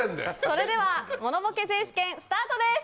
それではモノボケ選手権スタートです。